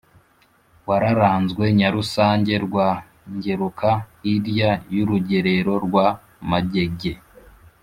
wararanzwe Nyarusange rwa Ngeruka hilya y’urugerero rwa Magege